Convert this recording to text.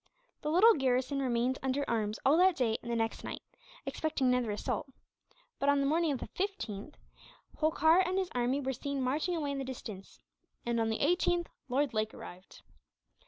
The little garrison remained under arms all that day and the next night, expecting another assault. But, on the morning of the 15th, Holkar and his army were seen marching away in the distance and, on the 18th, Lord Lake arrived.